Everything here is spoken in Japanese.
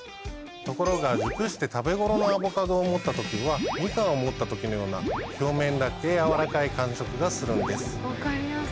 ところが熟して食べごろのアボカドを持った時はミカンを持った時のような表面だけ柔らかい感触がするんです。